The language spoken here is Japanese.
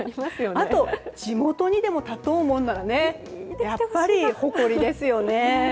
あと地元にでも立とうものならやっぱり誇りですよね。